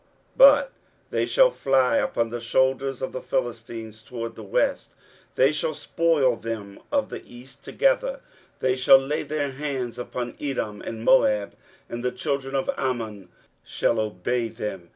23:011:014 But they shall fly upon the shoulders of the Philistines toward the west; they shall spoil them of the east together: they shall lay their hand upon Edom and Moab; and the children of Ammon shall obey them.